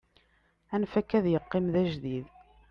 anef akka ad yeqqim d ajdid